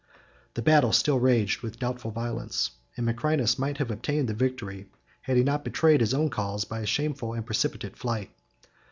The battle still raged with doubtful violence, and Macrinus might have obtained the victory, had he not betrayed his own cause by a shameful and precipitate flight.